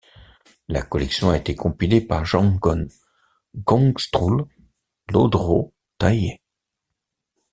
La collection a été compilée par Jamgon Kongtrul Lodrö Thayé.